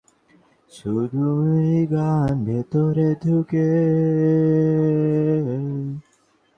আনন্দময়ী কহিলেন, নিজের মন বুঝতেও যে সময় লাগে।